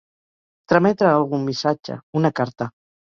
Trametre a algú un missatge, una carta.